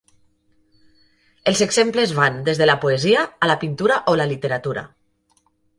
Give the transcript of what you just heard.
Els exemples van des de la poesia a la pintura o la literatura.